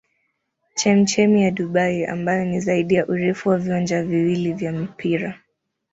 Chemchemi ya Dubai ambayo ni zaidi ya urefu wa viwanja viwili vya mpira.